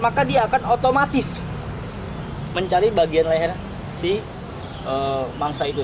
maka dia akan otomatis mencari bagian leher si mangsa itu